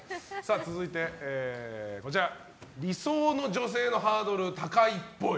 続いて、理想の女性のハードルが高いっぽい。